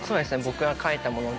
僕が描いたもので。